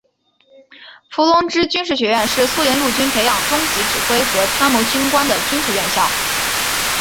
伏龙芝军事学院是苏联陆军培养中级指挥和参谋军官的军事院校。